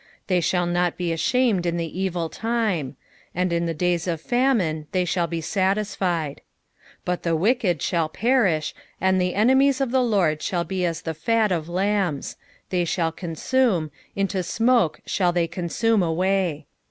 19 They shall not be ashamed in the evil time : and in the days of famine they shall be satisfied. 20 But the wicked shall perish, and the enemies of the Lord shaJ/ be as the fat of lambs : they shall consume ; into smoke shall they consume away.